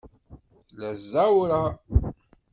Tella ẓẓawra?